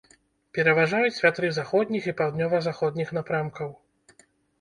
Пераважаюць вятры заходніх і паўднёва-заходніх напрамкаў.